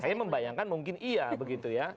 saya membayangkan mungkin iya begitu ya